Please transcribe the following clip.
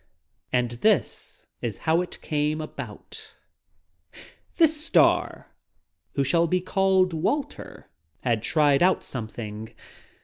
And this is how it came about: This star — who shall be called Walter — had tried out something.